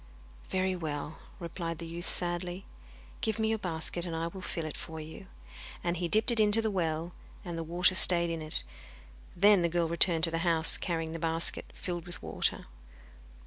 'Very well,' replied the youth sadly. 'Give me your basket and I will fill it for you.' And he dipped it into the well, and the water stayed in it. Then the girl returned to the house, carrying the basket filled with water.